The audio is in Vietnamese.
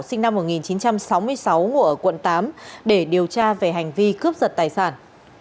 sinh năm một nghìn chín trăm sáu mươi sáu ngụ ở quận tám để điều tra về hành vi cướp giật tài sản